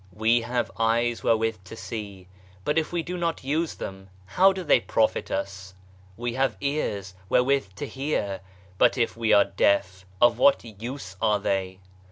We have eyes wherewith to see, but if we do not use them how do they profit us Pj We have ears wherewith to hear, but if we are deaf of what use are they